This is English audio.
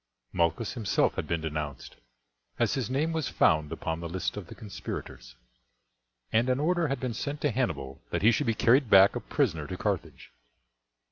Malchus himself had been denounced, as his name was found upon the list of the conspirators, and an order had been sent to Hannibal that he should be carried back a prisoner to Carthage.